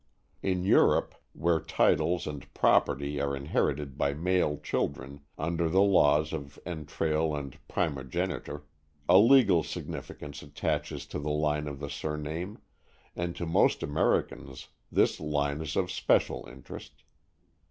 In Europe, where titles and property are inherited by male children, under the laws of entail and primogeniture, a legal significance attaches to the line of the surname, and to most Americans this line is of special interest.